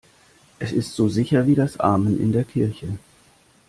Es ist so sicher wie das Amen in der Kirche.